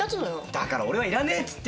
だから俺はいらねえって言ってんだろ。